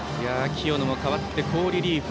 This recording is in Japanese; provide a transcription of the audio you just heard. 清野も代わって好リリーフ。